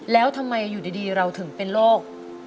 แล้วทำไมอยู่ดีเราถึงเป็นโรค